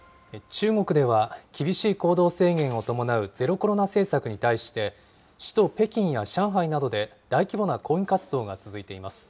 中国では厳しい行動制限を伴うゼロコロナ政策に対して、首都北京や上海などで大規模な抗議活動が続いています。